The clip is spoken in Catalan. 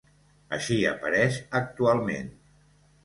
Així apareix actualment.